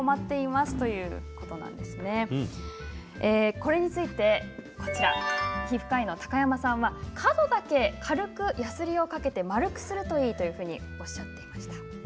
これについて皮膚科医の高山さんは爪の角だけ軽く、やすりをかけて丸くすればいいとおっしゃっていました。